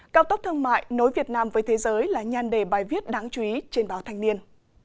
cao tốc thương mại nối việt nam với thế giới là nhan đề bài viết đáng chú ý trên báo thanh niên